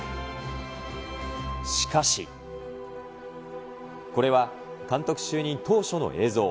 しかし、これは監督就任当初の映像。